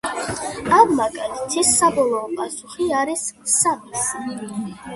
ამ მაგალითის საბოლოო პასუხი არის სამასი.